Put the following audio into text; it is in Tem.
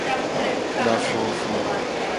Dafuu-fuu.